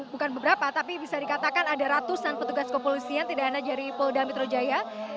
bukan beberapa tapi bisa dikatakan ada ratusan petugas kepolisian tidak hanya dari polda metro jaya